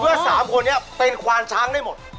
ขอเพื่อสามคนนี้เป็นขวานช้างได้หมด